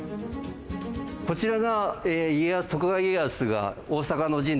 こちらが。